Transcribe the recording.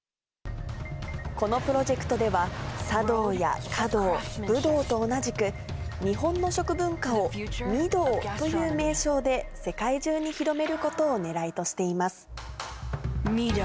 このプロジェクトでは、茶道や華道、武道と同じく、日本の食文化を味道という名称で世界中に広めることをねらいとしています。